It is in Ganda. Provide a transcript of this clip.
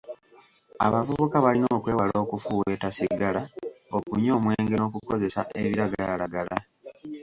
Abavuka balina okwewala okufuuweeta ssigala, okunywa omwenge n'okukozesa ebiragalalagala.